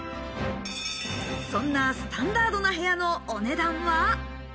そんなスタンダードな部屋のお値段は？